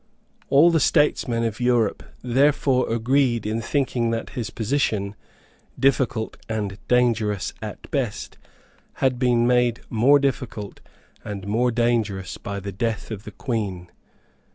All the statesmen of Europe therefore agreed in thinking that his position, difficult and dangerous at best, had been made far more difficult and more dangerous by the death of the Queen.